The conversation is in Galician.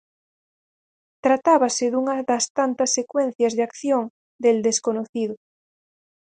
Tratábase dunha das tantas secuencias de acción de El Desconocido.